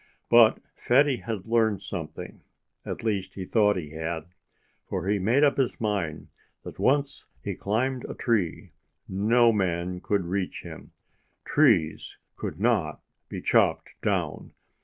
But Fatty had learned something at least he thought he had. For he made up his mind that once he climbed a tree, no man could reach him. TREES COULD NOT BE CHOPPED DOWN!